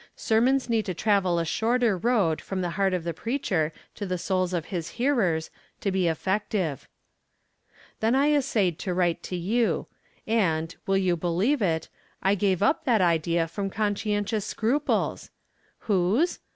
Sermons need to travel a shorter road from the heart of the preacher to the souls of his hearers, to be effect ive. Then I essayed to write to you ; and, will you believe it, I gave up that idea from consci entious scruples ! Whose